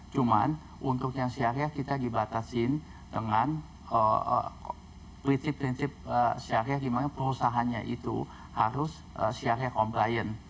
cuma untuk yang sariah kita dibatasi dengan prinsip prinsip sariah di mana perusahaannya itu harus sariah compliant